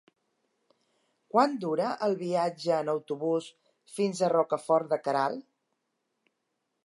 Quant dura el viatge en autobús fins a Rocafort de Queralt?